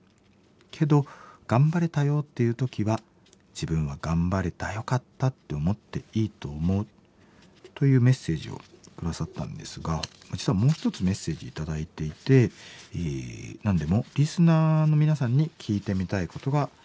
けど頑張れたよっていう時は自分は頑張れたよかったって思っていいと思う」というメッセージを下さったんですが実はもう一つメッセージ頂いていて何でもリスナーの皆さんに聞いてみたいことがあるということです。